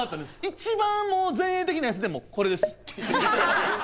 一番前衛的なやつでもこれです。